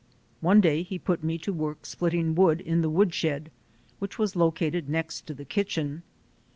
One day he put me to work splitting wood in the wood shed, which was located next to the kitchen.